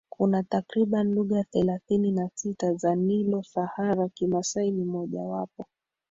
Kuna takriban lugha thelathini na sita za Nilo Sahara Kimasai ni moja wapo